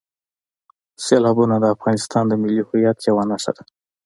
سیلابونه د افغانستان د ملي هویت یوه نښه ده.